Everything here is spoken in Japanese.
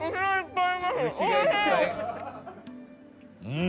うん！